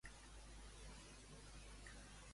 Quina merda de pel•lícules fan la vigília de festes!